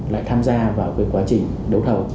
lại tham gia vào quá trình đấu thầu